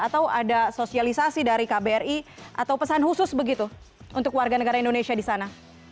atau ada sosialisasi dari kbri atau pesan khusus begitu untuk warga negara indonesia di sana